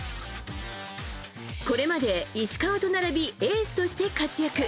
これまで石川と並びエースとして活躍。